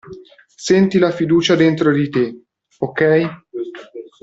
Senti la fiducia dentro di te, ok?